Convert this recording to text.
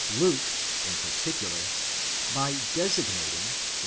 Luke, in particular, by designating (iii.